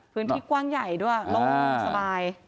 พื้นที่กว้างใหญ่ด้วยโล่งสบาย